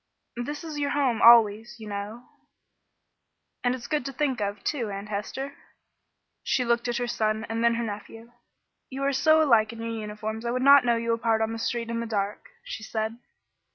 "This is your home always, you know." "And it's good to think of, too, Aunt Hester." She looked at her son and then her nephew. "You are so like in your uniforms I would not know you apart on the street in the dark," she said.